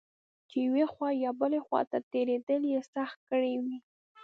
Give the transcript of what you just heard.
چې یوې خوا یا بلې خوا ته تېرېدل یې سخت کړي و.